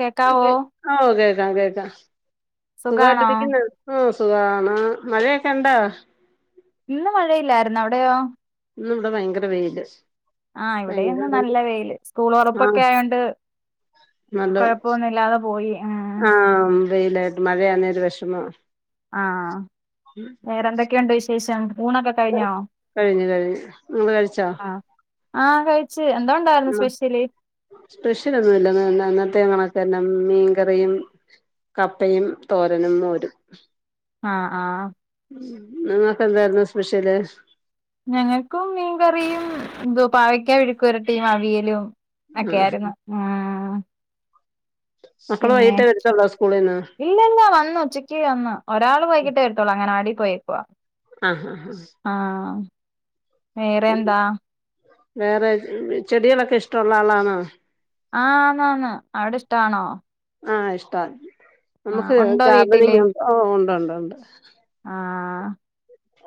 കേക്കാവോ ഓ കേൾക്കാം കേൾക്കാം. സുഖാണോ സുഖായിട്ടിരിക്കിന്നാ? ഉം സുഖാണ് മഴയൊക്കെ ഇണ്ടോ? ഇന്ന് മഴയില്ലായിരുന്ന്. അവിടെയോ? ഇന്ന് ഇവിടെ ഭയങ്കര വെയില്. ആഹ് ഇവിടെയുന്ന് നല്ല വെയില് സ്കൂൾ ആ തുറപ്പൊക്കെ ആയോണ്ട് നല്ല കുഴപ്പൊന്നു ഇല്ലാതെ പോയി അ ആ വെയിലായിട്ട് മഴയാണ് ഒരു വെഷമോ. ആഹ വേറെന്തൊക്കെയുണ്ട് വിശേഷം ഊണൊക്കെ കഴിഞ്ഞോ? കഴിഞ്ഞു കഴിഞ്ഞു. നിങ്ങള് കഴിച്ചോ? ആഹ കഴിച്ച്. എന്താ ഉണ്ടായിരുന്നു സ്പെഷ്യല്? സ്പ്രെഷ്യലൊന്നും ഇല്ല എ എന്നത്തെ കണക്കെന്നെ മീൻകറിയും കപ്പയും തോരനും മോരും. ആഹ ആഹ. ഇങ്ങൾക്ക് എന്തായിരുന്നു സ്പെഷ്യല്? ഞങ്ങൾക്കും മീൻകറിയും എന്തു പാവക്കാ വിഴുക്ക് വരട്ടീം അവിയ്ലും. ആ ഒക്കെയായിരുന്നു ആ മക്കള് വൈകീട്ടെ വെരത്തൊള്ളോ സ്കൂളിന്ന്? ഇല്ല ഇല്ല വന്നു ഉച്ചക്കി വന്നു ഒരാൾ വൈകീട്ടെ വെരത്തുള്ളൂ അങ്കനവാടി പോയേക്കുവ. ആ ഹാ ഹാ ആഹ, വേറെ എന്താ? വേറെ, ചെടികളൊക്കെ ഇഷ്ടമുള്ള ആളാണോ? ആണോന്നൊ, അവിടെ ഇഷ്ടാണോ? ആഹ ഇഷ്ടാണ്. ആഹ് നമുക്ക് ഉണ്ടോ വീട്ടില് ഗാർഡനിങ് ഓ ഉണ്ട് ഉണ്ട് ഉണ്ട്. ആഹ്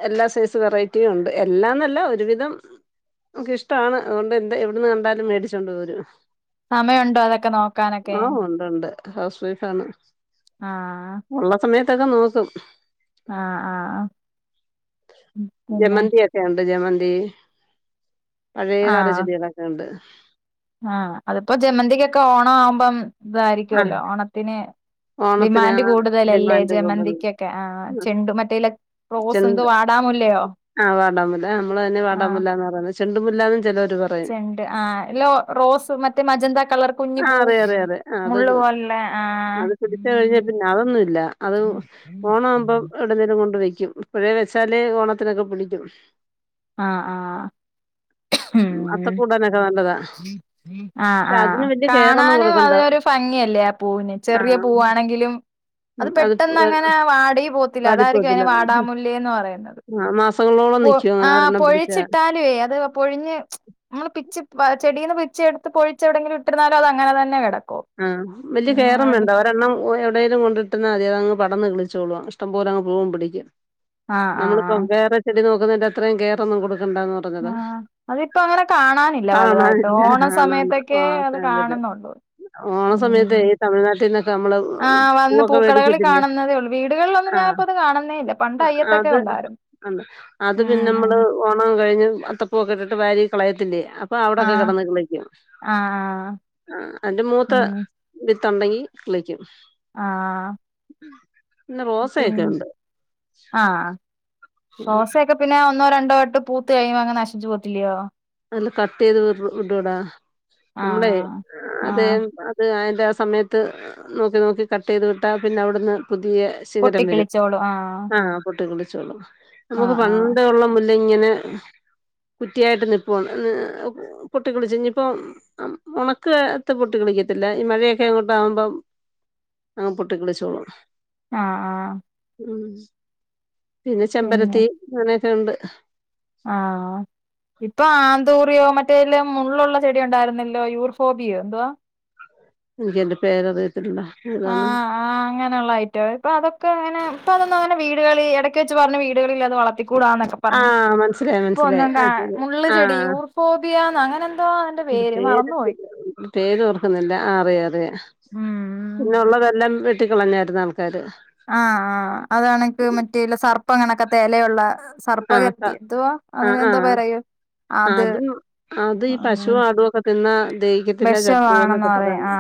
എല്ലാ സൈസ് വെറൈറ്റിയും ഉണ്ട് എല്ലാന്നല്ല ഒരുവിധം. നമുക്ക് ഇഷ്ടമാണ് അതുകൊണ്ട് എന്താ എവിടന്ന് കണ്ടാലും മേടിച്ചോണ്ട് പോരും സമയമുണ്ടോ അതൊക്കെ നോക്കാനൊക്കെ ആഹ ഉണ്ട് ഉണ്ട് ഹൗസ് വൈഫ് ആണ്. ആഹ ഉള്ള സമയത്തൊക്കെ നോക്കും. ആഹ ആഹ് ആ. ജമന്തി ഒക്കെ ഉണ്ട് ജമന്തി പഴയ കാല ചെടികളൊക്കെ ഉണ്ട്. ആഹ അതിപ്പോ ജമന്തിക്കൊക്കെ ഓണം ആവുമ്പം ആ ഇതായിരിക്കുവല്ലോ ഓണത്തിന്. ഡിമാൻഡ് ഓണത്തിനാണ് കൂടുതലല്ലേ ഡിമാൻഡ് കൂടുതൽ ജമന്തിക്കൊക്കെ ആ ഉം. ചെണ്ടും മറ്റേല റോസ് എന്ത് ചെണ്ട് വാടാമുല്ലയോ? ആ വാടാമുല്ല നമ്മളതിന് വാടാമുല്ലാന്നാണ് പറയ്ണത് ചെണ്ടുമുല്ലാന്നും ചിലോരു ചണ്ട് ആ ല്ലോ റോസ് മറ്റേ മജന്ത കളർ കുഞ്ഞി ആ പൂ. അറിയാം അറിയാം അറിയാം ആ, അത് മുള്ള് പോലുള്ള ആഹ് അത് പിടിച്ച കഴിഞ്ഞ പിന്നെ അതൊന്നുംല്ല അത് ഓണം ആവുമ്പോ. ഇടുന്നേരം കൊണ്ട് വെക്കും പോഴേ വെച്ചാല് ഓണത്തിനൊക്കെ പിടിക്കും. ആ ആ ഉ ഉം അത്തക്കൂടാനൊക്കെ നല്ലതാ ആ പക്ഷെ ആഹ അതിന് വല്യ കെയറൊന്നും കാണാനും കൊടുക്കണ്ട അതൊരു ഭംഗിയല്ലേ ആ പൂവിന് ചെറിയ ആഹ് പൂവാണെങ്കിലും അത് പെട്ടെന്ന് അങ്ങനെ വാടി പോ പത്തില്ല അതായിരിക്കും അതിനെ വാടാമൂല്ല എന്ന് പറയുന്നത്. ആ മാസങ്ങളോളം. നിക്കും അങ്ങനെ ആ ഒരെണ്ണം പിടിച്ചാ പൊഴിച്ചിട്ടാലുവേ അത് പൊഴിഞ്ഞ് നമ്മള് പിച്ച് ചെടീന്ന് പിച്ചി എടുത്ത് പൊഴിച്ചെവിടെയെങ്കിലും ഇട്ടിരുന്നാലും അങ്ങനെ തന്നെ കിടക്കു. ആഹ് വല്യ കേയറും വേണ്ട അവ കാരണം എവിടെങ്കിലും കൊണ്ടിട്ടന്ന് മതി അതങ്ങ് പടർന്ന് കിളിച്ചോളും. ഇഷ്ട്ടം പോലെ അങ്ങ് പോകും പിടിക്ക് ആഹ് നമ്മളിപ്പം ആഹ് വേറെ ചെടി നോക്കുന്നതിന്റെ അത്രയും കെയറ് ഒന്നും കൊടുക്കണ്ടന്ന് മാ പൊതുവെ ആഹ് അതിപ്പോ അങ്ങനെ കാണാനില്ല വലുതായിട്ട് കാണാനില്ല ഓണ ആഹ് സമയത്തൊക്കെ അത് ആഹ് കാണുന്നുള്ളൂ ഓണ സമയത്ത് ഉം ഈ തമിഴ്നാട്ടിൽ നിന്നൊക്കെ നമ്മള് ആഹ് വന്ന് പൂവൊക്കെ പൂക്കടകളിൽ മേടിക്കത്തില്ലേ കാണുന്നതേ ഉള്ളൂ വീടുകളിലൊന്നും ആഹ് ഞാനിപ്പോ അത് കാണുന്നേ ഇല്ല പണ്ട് അയ്യത്തൊക്കെ അത് ഉണ്ടായിരുന്നു അത് പിന്നെ ആഹ് നമ്മള് ഓണം കഴിഞ്ഞ് അത്ത പുവൊക്കെയിട്ട് വാരി കളയത്തിലെ അപ്പ അവിടൊക്കെ ആഹ് കിടന്ന് കളിക്കും ആഹ് ആഹ് അതിന്റെ മൂത്ത ഉം വിത്തുണ്ടെങ്കി കളിക്കും ആഹ് [unintelligible] ഉം റോസയൊക്കെ ഉണ്ട് ആഹ് ഉം. സോസയൊക്കെ പിന്നെ ഒന്നോ രണ്ടോ ആയിട്ട് പൂത്ത് കഴിയുമ്പോ അങ്ങനെ നശിച്ചു പോകത്തില്ലെയോ നല്ല കട്ട് യ്ത് വിട്ടൂടെ നമ്മളെ ആഹ് അതെ ആഹ് ത് അതിന്റെ സമയത്ത് നോക്കി നോക്കി കട്ട് ചെയ്ത് വിട്ടാ പിന്നെ അവിടുന്ന് പുതിയെ- സികരം വരും ആഹ് പൊട്ടി മുളച്ചോളും നമുക്ക് ആഹ് ആഹ് പണ്ടെ ഉള്ള മുല്ല ഇങ്ങനെ കുറ്റിയായിട്ട് നി [unintelligible] പൊട്ടി കളിച്ച്. ഇഞ്ഞ്പ്പം ഉണക്ക് ത്ത് [unintelligible] കളിക്കത്തില്ലെ ഈ മഴയൊക്കെ അങ്ങോട്ട ആകുമ്പം ആഹ് പൊട്ടിക്കളിച്ചോളും ആഹ് ആഹ് ഉം പിന്നെ ചെമ്പരത്തി അങ്ങനെയൊക്കെ ഉണ്ട് ആഹ് ഇപ്പൊ ആന്തോറിയോ മറ്റേതിലെ മുള്ളുള്ള ചെടി ഉണ്ടായിരുന്നല്ലോ യൂർഫോബിയോ എന്തുവാ എനിക്ക് അതിന്റെ പേര് അറിയത്തില്ല ആഹ് ആഹ് അങ്ങ നെയുള്ള ഐറ്റം ഇപ്പോ അതൊക്കെ അങ്ങനെ ഇപ്പോ അതൊന്നും അങ്ങനെ വീടുകളിൽ ഇടക്ക് വെച്ച് പറഞ്ഞു വീടുകളിൽ അത് വളർത്തികൂടാ എന്ന് പറ പറഞ്ഞു ആഹ് മനസ്സിലായി ഇപ്പോ മനസ്സിലായി ഒന്നും കാണാ ആഹ് ശരി മുള്ള് ചെടി ആഹ് യൂർഫോബിയ അങ്ങനെ എന്തോ അതിന്റെ പേര് പേര് മറന്നുപോയി [unintelligible] പേര് ഓർക്കുന്നില്ല അതെ അതെ ഉം പിന്നെള്ളതെല്ലാം വെ ട്ടിക്കളഞ്ഞായിരുന്ന ആൾക്കാര് ആഹ് അതാണെങ്കിൽ മറ്റേല്ല സർപ്പ അങ്ങനത്തെലെയുള്ള സർപ്പ ആഹ് ക കരുതി എന്തുവാ അങ്ങനെ ആഹ് എന്തോ ആഹ് പറയും അതും അത് ഈ പശു ആടുവൊക്കെ തിന്നതെയ് വിഷ വാണന്ന് പറയും ആ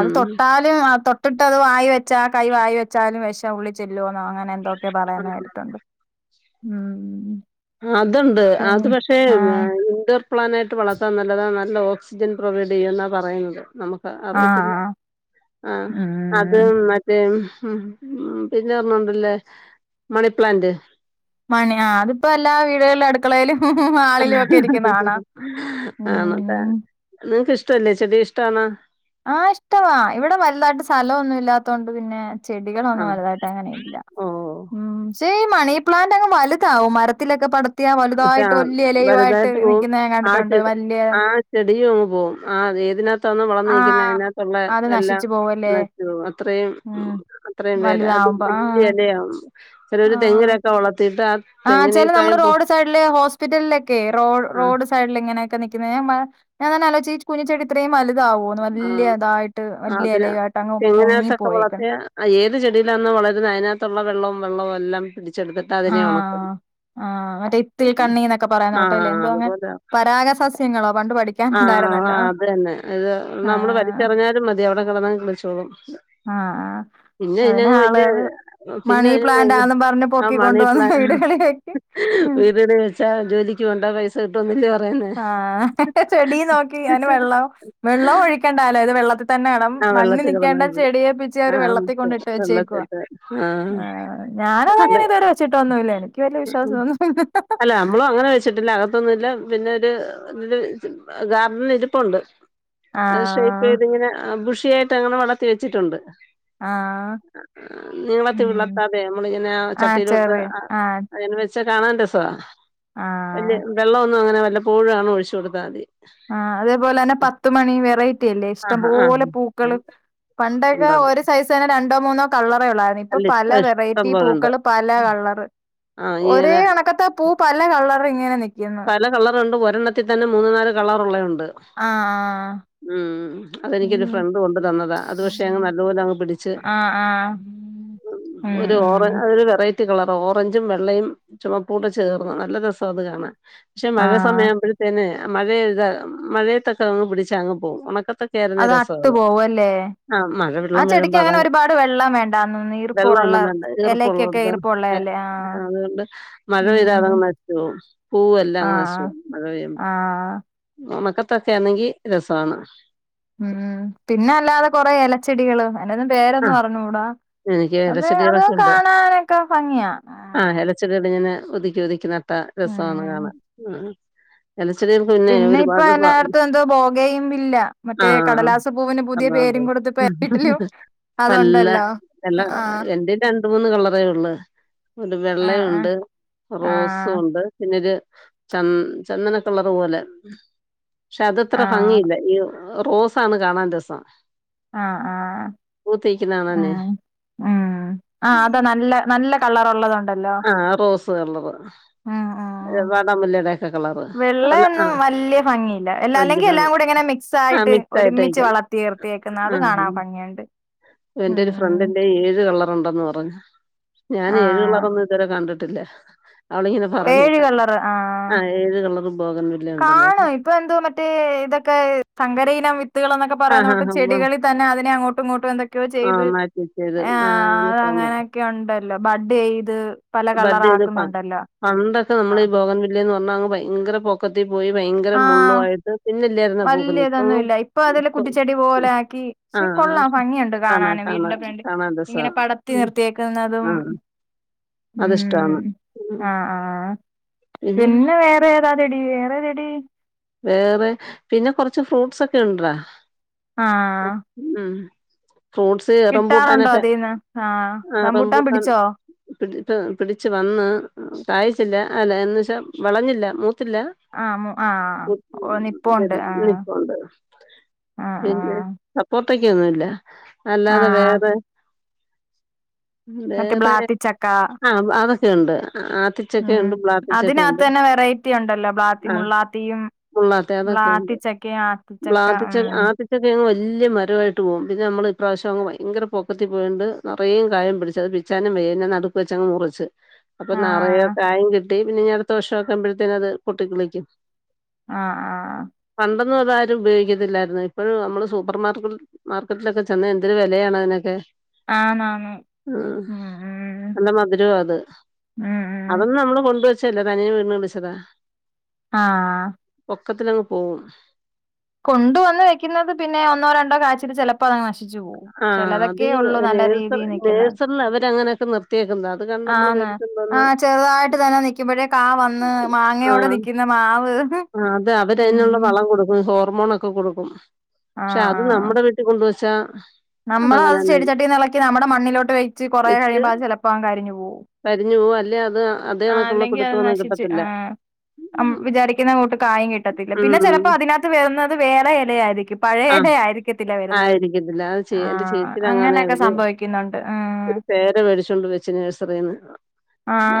അത് തൊട്ടാൽ തൊട്ടിട്ട് അത് വായി വച്ചാ ആ കൈ വായിൽ വെച്ചാലും വെഷം ഉള്ളിൽ ചെല്ലോ അങ്ങനെ എ ന്തൊക്കെ പറയുന്ന കേട്ടിട്ടുണ്ട് അത്ണ്ട് അത് ഉം പക്ഷെ ആഹ് [unintelligible] പ്ലാനായിട്ട് വളർത്താൻ നല്ലതാണ് നല്ല ഓക്സിജൻ പ്രൊവൈഡ് ചെയ്യുന്നാ പറയുന്നത് നമുക്ക് അറിയത്തില്ല ആഹ് ആഹ് അ അത് ഉം മറ്റേ പിന്നെ പറഞ്ഞോണ്ടല്ലോ മണിപ്ലാന്റ് മണി ആ അതിപ്പോ എല്ലാ വീടുകളില അടു ക്കളയിലും ആളിലും ഒക്കെ ഇരിക്കുന്ന കാണാ ഉം ആണല്ലേ നിങ്ങക്ക് ഇഷ്ട്ടല്ലെ ചെടി ഇഷ്ട്ടാണോ? ആഹ് ഇഷ്ട്ടവാ ഇവിടെ വലുതായിട്ട് സ്ഥലമൊന്നും ഇല്ലാത്തോണ്ട് പിന്നെ ആ ചെടികളൊന്നും വലുതായിട്ട് അങ്ങനെ ഇല്ല ഓ ഉം പക്ഷേ ഈ മണി പ്ലാന്റ് അങ്ങ് വലുതാവും മരത്തിലൊക്കെ പടു ത്തിയ പക്ഷെ വലുതായിട്ട് ആ വലിയ ഇലയുയായിട്ട് വലുതായിട്ട് പോവും നിൽക്കുന്ന ഞാൻ ആ കണ്ടിട്ടുണ്ട് ചെടി വലിയ ആ ചെടിയും അങ്ങ് പോകും ആ ഏതിനകത്താന് വളർന്ന് നിക്കുന്നെ ആഹ് അതിനകത്തുള്ള അത് എല്ലാം. നശിച്ചു പോവല്ലേ [unintelligible] അത്രയും ഉം അത്രയും വേല അത് വലുതാവുമ്പോ വലിയ ആഹ് എലയാവും ചെലരു ആഹ് തെങ്ങിനൊക്കെ വളർത്തിട്ട് ആ തെങ്ങിനേക്കായിപ്പൊ. സൈഡിലെ ഹോസ്പിറ്റലിലൊക്കെ റോ റോഡ് സൈഡിൽ ഇങ്ങനെയക്കെ നിക്കുന്നെ ഞാനാലോജിച്ച് ഈ കുഞ്ഞിച്ചെടി ഇത്രയും വലുതാവോ വലിയതായിട്ട് ആ വലിയ അതിന് ഇലയായിട്ട് അങ്ങ് തെങ്ങിനകത്തൊക്കെ പൊങ്ങിപ്പോയേക്ക. വളർത്തിയ ആ ഏത് ചെടിയിലാന് വളരുന്ന അതിനകത്തുള്ള വെള്ളവും വെള്ളവും എല്ലാം പിടിച്ചെടുത്തിട്ട് അതിനെ ഉണക്കും. ആഹ് ആഹ് മറ്റേ ഉം. ഇത്തിൽകണ്ണിന്നൊക്കെ പറയുന്ന ആ പ്പെട്ടെല്ലേ എന്തോ അങ്ങ് പരാഗസസ്യങ്ങളോ പണ്ട് പഠിക്ക ആഹ് ആ അതന്നെ ഇത് നമ്മള് ആഹ് വലിച്ചെറിഞ്ഞാലും മതി അവിടെ കിളിച്ചോളും ആഹ് പിന്നെ ആ അതിനെ ഇതിനങ്ങ് വലിയ ആളുകള് പിന്നെ മണി അതിന് ഭയങ്ക പ്ലാന്റ്ന്നും പറഞ്ഞ് പൊക്കി കൊണ്ട് വന്ന് വീടുകളിലേക്ക്. വീടട് വെച്ചാ ജോലിക്ക് പോണ്ട പൈസ കിട്ടുവന്നല്ലേ പറയുന്നേ. ആഹ് ചെടി നോക്കി അയിന് വെള്ളം വെള്ളം ഒഴിക്കേണ്ടല്ലോ ഇത് വെള്ളത്തി തന്നെ വണം ആ മണ്ണി വെള്ളത്തിൽ കിടന്നാ നിൽക്കേണ്ട മതി ചെടിയെ. ആ വെള്ളത്തി മുത്ത് കൊണ്ടിട്ട് വെച്ചേക്കുവ വെള്ളത്തിട്ട് ആ ഞാനതങ്ങനെ അതെ ഇതുവരെ വെച്ചിട്ട് ഒന്നുല്ല എനി. ഇക്ക് വല്ല്യ വിശ്വാസംന്നുല്ല. ച്ചിട്ടില്ല അകത്തൊന്നുംല്ല പിന്നെ ഒരു ഗാർഡനിൽ ഇരിപ്പുണ്ട്. അത് ആഹ് ഷേപ്പേതിങ്ങനെ ബുഷിയായിട്ട് അങ്ങനെ വളർത്തി വെച്ചിട്ടുണ്ട്. ആഹ് നീങ്ങളത്തി ഉം വിളർത്താതെ നമ്മളിങ്ങനെ ആഹ് ചട്ടിയിലോട് ചെറിയ ആഹ് അങ്ങനെ വെച്ച് പക്ഷെ കാണാൻ രസവാ ആഹ് വല്യ വെള്ളമൊന്നും അങ്ങനെ വല്ലപ്പോഴുആണ് ഒഴിച്ചു കൊടുത്താൽ മതി. ആഹ് അതേപോലെ തന്നെ പത്തുമണി വെറൈറ്റി അല്ലേ ആഹാ ആ ഇഷ്ടംപലെ പൂക്കള്. ഉം. പണ്ടൊക്കെ ഉണ്ടോ ഒരു സൈസ് തന്നെ രണ്ടോ മൂന്നോ കളറേ ഒള്ളാ ഇപ്പൊ അല്ല പല ഇഷ്ടം വെറൈറ്റി പോലെ ഉണ്ട് പൂക്കള് പല കളറ് ആ ഇങ്ങനെ ഒരേ കണക്കത്ത പൂ പല കളറിങ്ങനെ നിക്കുന്ന് നല്ല കളറുണ്ട് ഒരെണ്ണത്തി തന്നെ മൂന്നു നാല് കളറ് ഉള്ള ഉണ്ട്. ആഹ് ആഹ് ഉം അതെനിക്കൊരു ഫ്രണ്ട് കൊണ്ട് തന്നതാ അത് പക്ഷെ അങ്ങ് നല്ലപോലെ അങ്ങ് പിടിച്ച്. ആഹ് ആഹ് ഉം ഒരു ഉം ഓറ അതൊരു വെറൈ റ്റി കളറാ ഓറഞ്ചും വെള്ളയും ചുമപ്പൂടെ ചേർന്ന് നല്ല രസം അത് കാണാൻ. പക്ഷെ മഴ ആഹ് സമയാവുമ്പോഴത്തേന് മഴയേതാ മഴയത്തൊക്കെ അങ്ങ് പിടിച്ചാ അങ്ങ് പോകും. ഉണക്കത്ത കയറുന്ന അത് അട്ടു രസവാത് പോവല്ലേ ആഹ് മഴ ആ വെള്ളം ചെടിക്ക് വരുമ്പോ അങ്ങനെ അതങ്ങ് ഒരുപാട് വെള്ളം വേണ്ടാന്ന് തോന്നുന്നു വെള്ളം ഈർപ്പുള്ള ഒന്നണ്ട് എലക്കൊക്കെ ഈറുപ്പള്ളടത്. ഈർപ്പുള്ളതല്ലേ ആഹ് അതുകൊണ്ട് മഴ പെയ്താ അതങ് ഉം നഷിച്ച് പോകും പൂവെല്ലാം ആഹ് നാശാവും മഴ പെയ്യുമ്പം ആഹ് ഒണത്തൊക്കെണെങ്കി രസമാണ്. ഉം പിന്നെ അല്ലാതെ കൊറെ ഇലച്ചെടികള് അയിന്റെന്നും ആ പേരൊന്നും അറിഞ്ഞുടാ. എനിക്ക് അത് അത് ഇലച്ചെടികളൊക്കെ ഉണ്ട് കാണാനൊക്കെ ഭംഗിയാ. ആഹ് ഇലച്ചകളിങ്ങനെ ഉതുക്കി ഉതുക്കി നട്ട രസാണ് ഉം കാണാൻ. എല ചെടികൾക്ക് പിന്നെ ഇപ്പൊ ഒരുപാട് എല്ലായിടത്തും എന്തോ ബോഗയും വില്ല മറ്റേ ആഹ് കടലാസ പൂവിന് അതാത് ഉ അത്ഒണ്ടല്ലോ. ന്ന എന്റെല് രണ്ട് മൂന്ന് കളറേ ഉള്. ഒരു വെള്ളയുണ്ട് ആഹ് റോസും ആഹ് ഉണ്ട്. പിന്നൊരു ചന്ദനക്കളറ് പോലെ പക്ഷെ അതത്ര ആഹ് ഭംഗിയില്ല ഈ റോസാണ് കാണാൻ രസം. ആഹ് പൂത്തിക്കുന്ന കാണാനേ ആഹ് ഉം ആഹ് അത നല്ല നല്ല കളറുള്ളതുണ്ടല്ലോ. ആഹ് റോസ് കളറ് ഉം ഉം വാടാമുല്ലടെ. വെള്ളയൊന്നും വല്യ ഭംഗിയില്ല എല്ല വല്യ അല്ലെങ്കി എല്ലാം ഭംഗി കൂടി ഇങ്ങനെ ആഹ് മിക്സായിട്ട്. മിക്സ് ആയിട്ട് ഒരുമിച്ച് നിക്കുന്നെ വളർത്തിയർത്തിയേക്കുന്ന അത് ആഹ് കാണാൻ ഭംഗിയുണ്ട്. എന്റെ ഒര് ഉം ഫ്രണ്ട്ന് ഏഴ് കളറുണ്ടെന്ന് പറഞ്ഞു. ഞാൻ ഏഴ് ആഹ് കളറൊന്നും ഇതുവരെ കണ്ടിട്ടില്ല. അവളിങ്ങനെ ഏഴ് പറഞ്ഞിട്ടാ കളറ് ആഹ് ഏത് കളറും ബോഗൻ വില്ലയ ഉണ്ടെന്നോ കാണും ഇപ്പൊ എന്തോ മറ്റേ ഇതൊക്കെ സങ്കര ഇനം വിത്തുകൾ എന്നൊക്കെ ആ ഹാ പറയുന്നൂട്ട് ഹാ വാ. ചെടികളിൽ തന്നെ അതിനെ അങ്ങോട്ടും ഇങ്ങോട്ടും എന്തൊക്കെയോ ആ ചെയ്ത് മാറ്റി ചെയ്ത് ആ ആഹ് തന്നു. അങ്ങനെ ക്കെയുണ്ടല്ലോ ബഡെയ്ത് ബഡ് ചെയ്തപ പണ്ടൊക്കെ നമ്മൾ ഈ ആഹ് ബോഗൻ വില്ലേന്ന് പറഞ്ഞാങ്ങ് ഭയങ്കരപൊ ക്കത്തി പോയി ഭയങ്കര മുള്ളുവായിട്ട്. വല്യ ഇതൊന്നുംല്ല ഇപ്പൊ അതല്ല കുറ്റിച്ചെടി പോലെ ആക്കി ആ ക്ഷെ കൊള്ളാം പക്ഷെ ഭംഗിയുണ്ട് കാണാ കാണാന് കാണാ വീടിന്റെ ഫ്രണ്ട് കാണാൻ ഇങ്ങനെ പടർത്തി രസമാണ് നിർത്തിയേക്കുന്നതും. ആ ഉം അതിഷ്ടമാണ് ഉം. ആഹ് ആഹ് ആഹ് പിന്നെ വേ ഇതേതാതടി വേറെതെടീ വേറെ പിന്നെ കൊറച്ച് ഫ്രൂട്സൊക്കെ ഇണ്ടടാ ആഹ് ഉം ഫ്രൂട്ട്സ് കിട്ടാറുണ്ടോ റംപൂട്ടാനൊക്കെ അതീന്ന് ആഹ് അഹ് റംബൂട്ടാൻ റംപൂട്ടാൻ പിടിച്ചോ പിടി പിടിച്ച് വന്ന് കായിച്ചില്ല അല്ല എന്ന് ച്ചാ വെളഞ്ഞില്ലാ മൂത്തില്ലാ ആഹ് മു ആഹ് ഓ നിപ്പോണ്ട് [unintelligible] ആഹ് നിപ്പാെണ്ട് ആഹ് പിന്നെ ആഹ് പൊത്തക്ക്യൊന്നുല്ല അല്ലാതെ ആഹ് വേറെ ഉം മറ്റേ വേറെ ബ്ലാത്തിച്ചക്ക അ അതൊക്കെയുണ്ട് ആദി ഉം അതിനകത്ത്തന്നെ വെറൈറ്റി ഉണ്ടല്ലോ ബ്ലാത്തി ആ മുള്ളാത്തിയും മുള്ളാത്ത അതൊക്കെ ബ്ലാത്തി ഉണ്ട് ചക്കെയും ആത്തി ചക്ക ഉം ഇതൊക്കെ അങ്ങ് വല്യ മരവായിട്ട് പോവും പിന്നെ നമ്മള് ഇപ്രാവശ്യം അങ്ങ് ഭയെങ്കെര പൊക്കത്തി പോയാേണ്ട് നെറേ കായും പിടിച്ച് അത് പി ച്ചാനും മേഞ്ഞ നടുക്ക് വെച്ചങ്ങ് മുറ്ച്ച് അപ്പൊ നറയെ ആഹ് കായിം കിട്ടി പിന്നെഞ്ഞ് അട്ത്തെ വർഷം വക്ക്മ്പേഴ്ത്തേന് അത് പൊട്ടിക്കിളിക്കും ആഹ് ആഹ് ആഹ് പണ്ടൊന്നും അത് ആരും ഉപയോഗിക്കത്തില്ലായ്ര്ന്ന് ഇപ്പഴും നമ്മള് സൂപ്പർ മാർക്കറ്റ് മാർക്കറ്റിലൊക്കെ ചെന്ന എന്തൊരു വെലെയാണ് അതിനൊക്കെ ആന്നാന്ന് ആഹ് ഉം ഉം നല്ല മധുരവാ അത് ഉം ഉം അതൊന്നും നമ്മള് കൊണ്ടുവെച്ചല്ല തനിയെ വീണ് കിളിച്ചതാ ആഹ് പൊക്കത്തിലങ്ങ് പോവും കൊണ്ട് വന്ന് വെക്ക്ന്നത് പിന്നെ ഒന്നോ രണ്ടോ കാഴ്ച്ചിട്ട് ചെലപ്പോ അതങ്ങ് നശിച്ച് പോവും ആഹ് ചെലതൊക്കെ അതീ ഒള്ളൂ നല്ല നേഴ്സർ രീതിയിൽ നിക്കുന്നത് നേഴ്സറിൽ അവര് അങ്ങെനെയൊക്കെ നിർത്തിയേക്ക്‌ന്നത അത് കണ്ട് നമ്മള് വേ ആന്ന് ആഹ് ചെറ്തായിട്ട് തന്നെ നിക്ക്മ്പഴേ കാ വന്ന് മാങ്ങയോടെ ആഹ് നിക്ക്ന്ന മാവ് ആഹ് അത് അവര് അയ്നുള്ള ഉം വളം കൊടുക്കും ഹോർമോണൊക്കെ കൊടുക്കും ക്ഷെ ആഹ് അത് ആഹ് നമ്മടെ വീ ട്ടി കൊണ്ടുവച്ചാ നമ്മളത് അതങ്ങനെന്നെ ചെടി ചട്ടീന്ന് ഇളക്കി നമ്മടെ മണ്ണിലോട്ട് വെയ്ച്ച് കൊറേ കഴിയ്മ്പോ അത് ചെലപ്പോ അങ്ങ് കരിഞ്ഞ് പോവും കരിഞ്ഞ് പോവും അല്ലെ അത് അ ആഹ് അല്ലെങ്കി അത് നശിച്ച് ആഹ് അം വിചാരി ക്ക്ന്ന കൂട്ട് കായേം കിട്ടത്തില്ല ഉം പിന്നെ ചെലപ്പോ അതിനകത്ത് വെര്ന്നെത് വേറെ എലെയായിരിക്കും പഴേ എല ആഹ് ആയിരി ക്കത്തില്ല വര്ന്നത് ആയിരിക്കത്തില്ല അത് ചേ എന്റെ ആഹ് ചേച്ചിടങ്ങാന്നെ അങ്ങെനെക്കെ അവര് സംഭവിക്കുന്നുണ്ട് ആഹ് ഒരു പേര വേടിച്ചോണ്ട് വെച്ച് നേഴ്സറീന്ന്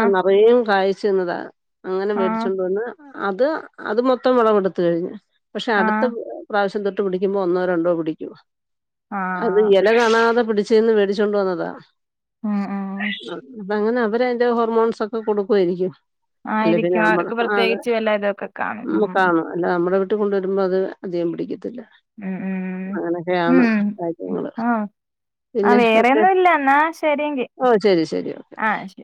അ നറയും കായ്ച്ച് നിന്നതാ അങ്ങനെ വേടിച്ചു ആഹ് കൊണ്ട് വന്ന് അത് അത് മൊത്തം വെളവെടുത്ത് കഴിഞ്ഞ് പക്ഷെ അടുത്ത് ആഹ് പ്രാവശ്യം തൊട്ട് പിടിക്കുമ്പോ ഒന്നോ രണ്ടോ പിടിക്കും അത് ആഹ് എല കാണാതെ പിടി ചെന്ന് വേടിച്ചോണ്ട് വന്നതാ ഉം ഉം അ പ്പ അങ്ങെനെ അവരയ്ന്റെ ഹോർമോൺസൊക്കെ കൊടുക്കുവായിരിക്കും അല്ലെ ആയിരിക്കും അവർക്ക് പ്രത്യേകിച്ച് വല്ല തൊക്കെ ഉം കാണും അല്ലാ നമ്മ്ടെ വീട്ടി കൊണ്ടുവരുമ്പോ അത് അധികം പിടിക്കത്തില്ല ഉം ഉം അങ്ങനെക്കെയാണ് ഉം കാര്യങ്ങള് ആഹ് ആഹ് പിന്നെ ഒക്കെ വേറെയൊന്നും ഇല്ല എന്നാ ശരിയെങ്കി ഓ ശെരി ശെരി ഓക്കെ ആഹ് ശരി